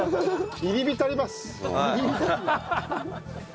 入り浸ります。